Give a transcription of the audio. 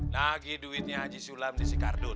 nagih duitnya haji sulam di sikardun